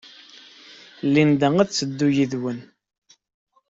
Linda ad teddu yid-wen.